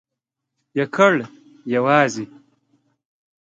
یکړ...یوازی ..